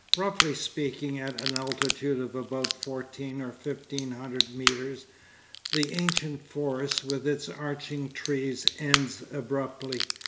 Roughly speaking at an altitude of about fourteen or fifteen hundred metres, the ancient forest with its arching trees ends abruptly.